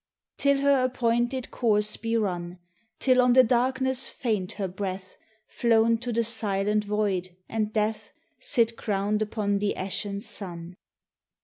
Till her appointed course be run; Till on the darkness faint her breath, Flown to the silent void, and Death Sit crowned upon the ashen sun.